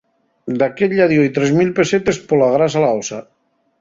Daquella dió-y tres mil pesetes pola grasa la osa.